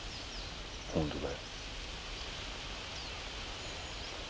本当だよ。